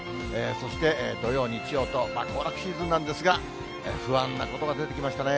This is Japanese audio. そして、土曜、日曜と、行楽シーズンなんですが、不安なことが出てきましたね。